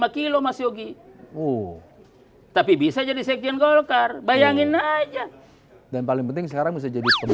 satu ratus delapan puluh lima kilo mas yogi oh tapi bisa jadi sekian golkar bayangin aja dan paling penting sekarang bisa jadi